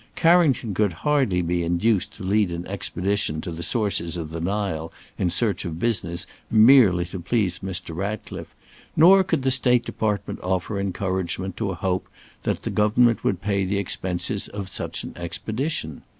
Carrington could hardly be induced to lead an expedition to the sources of the Nile in search of business merely to please Mr. Ratcliffe, nor could the State Department offer encouragement to a hope that government would pay the expenses of such an expedition.